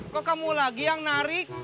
ke kamu lagi yang narik